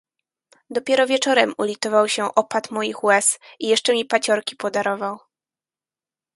"Dopiero wieczorem ulitował się opat moich łez, i jeszcze mi paciorki podarował..."